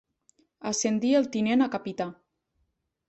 Ascendir el tinent a capità.